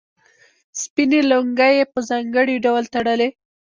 سپینې لونګۍ یې په ځانګړي ډول تړلې.